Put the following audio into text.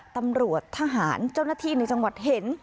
ตำรวจทหารเจ้าหน้าที่ในจังหวัดเห็น